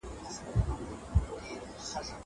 زه پرون چايي وڅښلې.